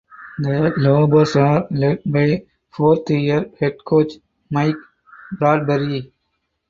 The Lobos are led by fourth year head coach Mike Bradbury.